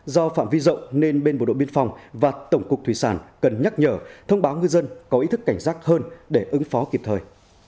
do phạm vi rộng nên bên bộ đội biên phòng và tổng cục thủy sản cần nhắc nhở thông báo ngư dân có ý thức cảnh giác hơn để ứng phó kịp thời